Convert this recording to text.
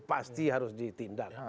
pasti harus ditindak